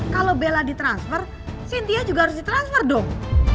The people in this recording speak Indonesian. kalau bella ditransfer cynthia juga harus ditransfer dong